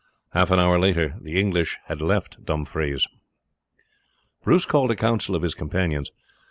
Half an hour later the English had left Dumfries. Bruce called a council of his companions.